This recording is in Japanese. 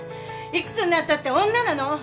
幾つになったって女なの。